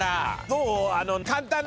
どう？